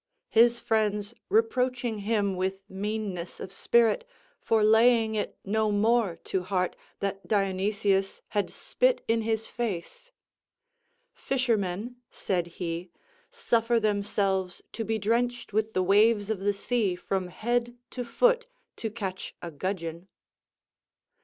His friends reproaching him with meanness of spirit, for laying it no more to heart that Dionysius had spit in his face, "Fishermen," said he, "suffer themselves to be drenched with the waves of the sea from head to foot to catch a gudgeon."